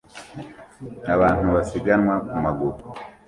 Abantu basiganwa ku maguru